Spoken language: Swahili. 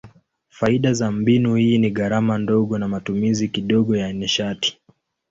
Faida za mbinu hii ni gharama ndogo na matumizi kidogo ya nishati.